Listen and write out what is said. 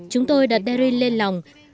chúng tôi đặt darin lên lòng